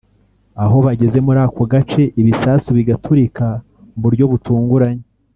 aho bageze muri ako gace ibisasu bigaturika mu buryo butunguranye